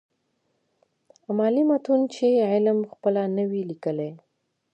امالي متون چي عالم خپله نه وي ليکلي.